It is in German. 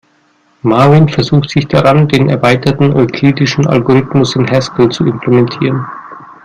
Marvin versucht sich daran, den erweiterten euklidischen Algorithmus in Haskell zu implementieren.